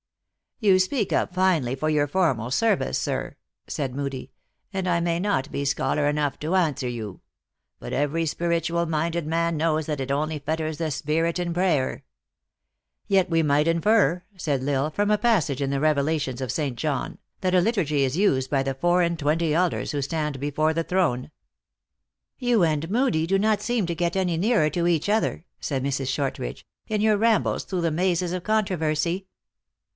" You speak up finely for your formal service, sir," said Moodie ;" and I may not be scholar enough to answer you. But every spiritual minded man knows that it only fetters the spirit in prayer." " Yet we might infer," said L Isle, " from a passage in the Revelations of St. John, that a liturgy is used by the four and twenty elders who stand before the throne." " You and Moodie do not seern to get any nearer to each other," said Mrs. Shortridge, " in your rambles through the mazes of controversy."